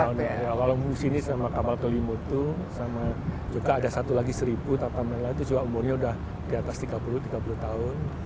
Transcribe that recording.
ya kalau mengusini sama kapal tolimutu sama juga ada satu lagi satu tatamella itu juga umurnya udah di atas tiga puluh tiga puluh tahun